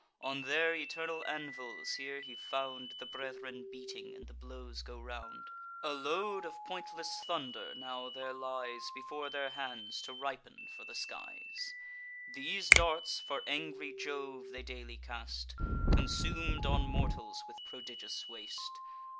On their eternal anvils here he found The brethren beating, and the blows go round. A load of pointless thunder now there lies Before their hands, to ripen for the skies: These darts, for angry Jove, they daily cast; Consum'd on mortals with prodigious waste.